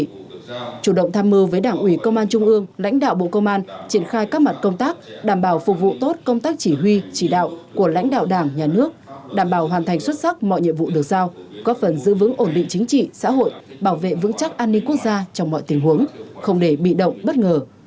trong đó các đơn vị thuộc cụm thi đua số hai sẽ chủ động tham mưu với đảng ủy công an trung ương lãnh đạo bộ công an triển khai các mặt công tác đảm bảo phục vụ tốt công tác chỉ huy chỉ đạo của lãnh đạo đảng nhà nước đảm bảo hoàn thành xuất sắc mọi nhiệm vụ được giao có phần giữ vững ổn định chính trị xã hội bảo vệ vững chắc an ninh quốc gia trong mọi tình huống không để bị động bất ngờ